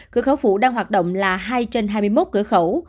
cửa khẩu phụ đang hoạt động là hai trên hai mươi một cửa khẩu